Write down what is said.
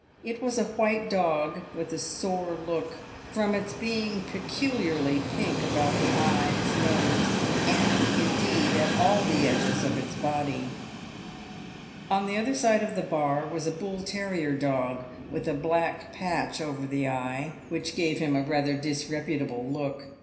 It was a white dog, with a sore look, from its being pecu liarly pink about the eyes, nose, and, indeed, at all the edges of its body. On the other side of the bar was a bull terrier dog, with a black patch over the eye, which gave him rather a disreputable look.